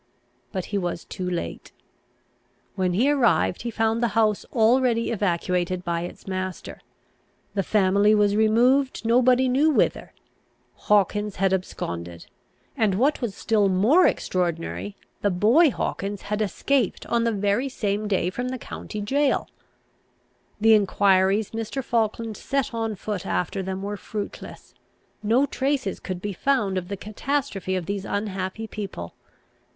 But he was too late. When he arrived, he found the house already evacuated by its master. The family was removed nobody knew whither; Hawkins had absconded, and, what was still more extraordinary, the boy Hawkins had escaped on the very same day from the county gaol. The enquiries Mr. Falkland set on foot after them were fruitless; no traces could be found of the catastrophe of these unhappy people.